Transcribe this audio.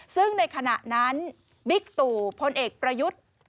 ซึ่งในขณะนั้นบิ๊กตู่พลเอกประยุทธ์